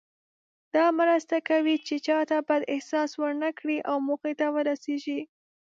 دا مرسته کوي چې چاته بد احساس ورنه کړئ او موخې ته ورسیږئ.